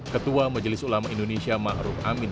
ketua majelis ulama indonesia ma'ruf amin